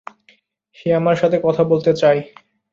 সে আমার সাথে কথা বলতে চায়।